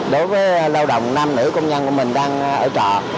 đối với lao động nam nữ công nhân của mình đang ở trọ